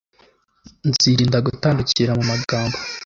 nzirinda gutandukira mu magambo